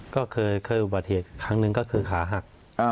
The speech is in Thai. ก็เคยอุบัติเหตุครั้งหนึ่งก็คือขาหัก